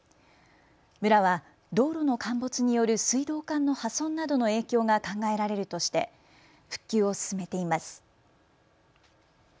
村は道路の陥没による水道管の破損などの影響が考えられるとして復旧を進めています。